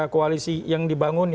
koalisi yang dibangun